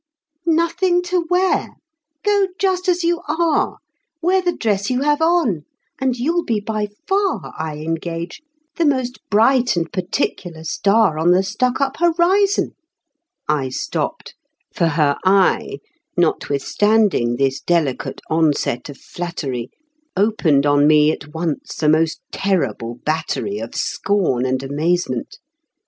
"Nothing to wear! Go just as you are; Wear the dress you have on, and you'll be by far, I engage, the most bright and particular star On the Stuckup horizon " I stopped, for her eye, Notwithstanding this delicate onset of flattery, Opened on me at once a most terrible battery Of scorn and amazement.